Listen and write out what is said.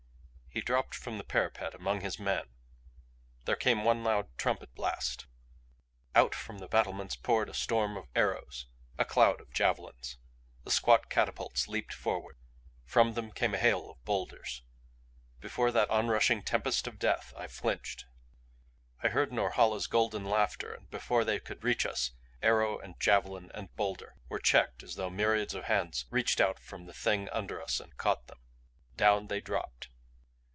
He dropped from the parapet among his men. There came one loud trumpet blast. Out from the battlements poured a storm of arrows, a cloud of javelins. The squat catapults leaped forward. From them came a hail of boulders. Before that onrushing tempest of death I flinched. I heard Norhala's golden laughter and before they could reach us arrow and javelin and boulder were checked as though myriads of hands reached out from the Thing under us and caught them. Down they dropped.